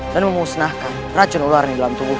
dan memusnahkan racun ular ini dalam tubuhku